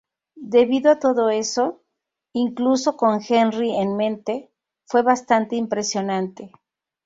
Debido a todo eso, incluso con Henry en mente, fue bastante impresionante.